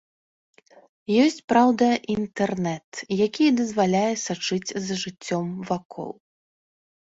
Ёсць, праўда, інтэрнэт, які дазваляе сачыць за жыццём вакол.